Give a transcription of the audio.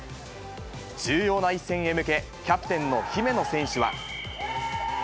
重要な一戦へ向け、キャプテンの姫野選手は。